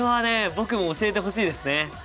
僕も教えてほしいですね！